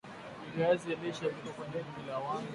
viazi lishe viko kwenye kundi la wanga